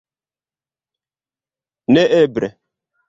Neeble!